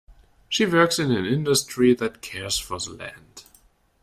She works in an industry that cares for the land.